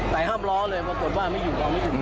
แต่ห้ามร้องเลยปรากฏว่าไม่อยู่